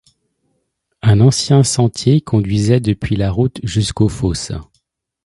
Un ancien sentier conduisait depuis la route jusqu'aux fosses.